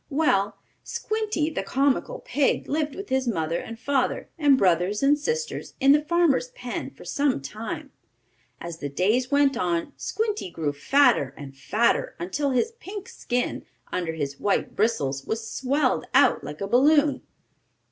Well, Squinty, the comical pig, lived with his mother and father and brothers and sisters in the farmer's pen for some time. As the days went on Squinty grew fatter and fatter, until his pink skin, under his white bristles, was swelled out like a balloon.